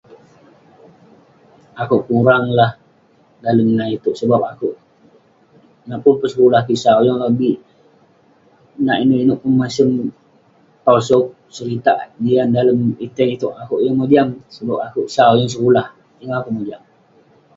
Akouk kurang lah dalem nah itouk..sebab akouk..nak pun peh sekulah kik sau, yeng lobik..nak inouk inouk peh masem tosog, seritak, jiak dalem etey itouk, akouk yeng mojam..sebab akouk sau yeng sekulah..yeng akouk mojam.